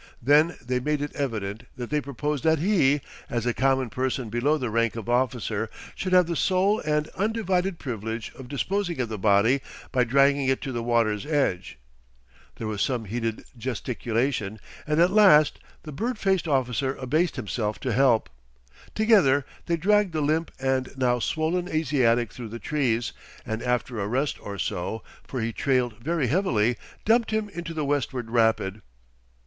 Then they made it evident that they proposed that he, as a common person below the rank of officer should have the sole and undivided privilege of disposing of the body by dragging it to the water's edge. There was some heated gesticulation, and at last the bird faced officer abased himself to help. Together they dragged the limp and now swollen Asiatic through the trees, and after a rest or so for he trailed very heavily dumped him into the westward rapid.